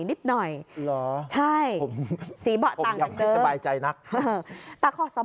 หรอผมยังไม่สบายใจนักใช่สีเบาะต่างอย่างเดิม